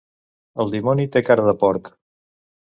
El dimoni té cara de porc.